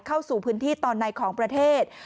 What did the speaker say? เข้าสู่พื้นที่ตอนในของประเทศ